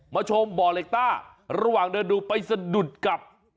ชมบ่อเล็กต้าระหว่างเดินดูไปสะดุดกับ